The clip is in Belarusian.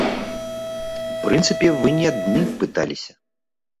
У прынцыпе вы не адны пыталіся.